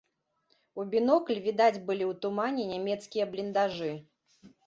У бінокль відаць былі ў тумане нямецкія бліндажы.